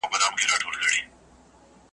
زه به شمع غوندي ستا په لار کي بل سم .